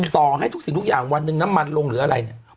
ต่อให้ทุกสิ่งทุกอย่างวันหนึ่งน้ำมันลงหรืออะไรเนี่ย